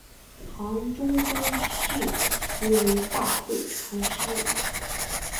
唐中宗谥其为大惠禅师。